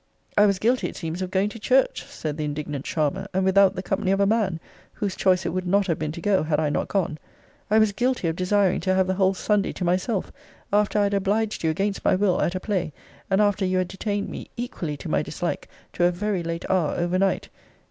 I was guilty, it seems, of going to church, said the indignant charmer; and without the company of a man, whose choice it would not have been to go, had I not gone I was guilty of desiring to have the whole Sunday to myself, after I had obliged you, against my will, at a play; and after you had detained me (equally to my dislike) to a very late hour over night.